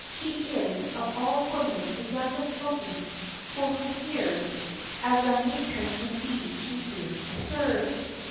She is of all women the youngest looking, for her years; as a matron indeed she seems absurd.